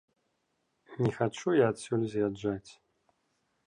Не хачу я адсюль з'язджаць.